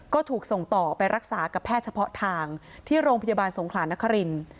ก็ถูกส่งต่อไปรักษากับแพทย์เฉพาะทางที่โรงพยาบาลสงขลานครินทร์